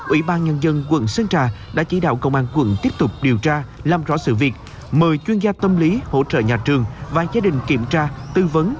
ubnd quận sơn trà đã chỉ đạo công an quận tiếp tục điều tra làm rõ sự việc mời chuyên gia tâm lý hỗ trợ nhà trường và gia đình kiểm tra tư vấn